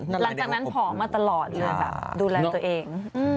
หลังจากนั้นผอมมาตลอดเลยแบบดูแลตัวเอง